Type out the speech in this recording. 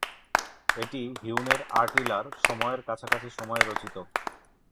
এটি হিউনের আটিলার সময়ের কাছাকাছি সময়ে রচিত।